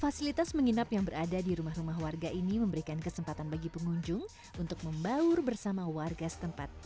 fasilitas menginap yang berada di rumah rumah warga ini memberikan kesempatan bagi pengunjung untuk membaur bersama warga setempat